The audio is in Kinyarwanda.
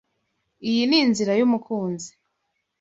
Iyi ni inzira yumukunzi.